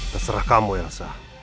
terserah kamu elsa